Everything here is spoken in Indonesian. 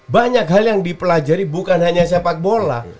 banyak hal yang dipelajari bukan hanya sepak bola